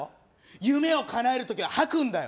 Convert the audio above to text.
夢をかなえる時は吐くんだよ。